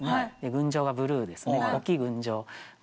「群青」がブルーですね。